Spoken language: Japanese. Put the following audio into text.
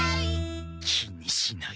気にしない。